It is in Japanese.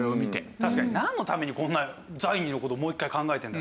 確かになんのためにこんな罪人の事もう一回考えてんだ